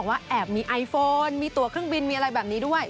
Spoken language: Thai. ว่าแอบมีไอโฟนมีตัวเครื่องบินมีอะไรแบบนี้ด้วย